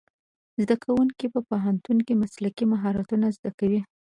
زدهکوونکي په پوهنتون کې مسلکي مهارتونه زده کوي.